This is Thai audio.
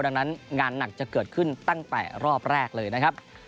ดังนั้นงานหนักจะเกิดขึ้นตั้งแต่รอบแรกเลยนะครับ